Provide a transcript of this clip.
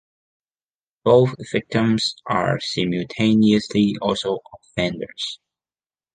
Both victims are simultaneously also offenders.